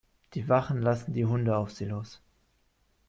Die Wachen lassen die Hunde auf sie los.